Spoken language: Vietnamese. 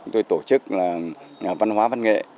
tôi tổ chức là văn hóa văn nghệ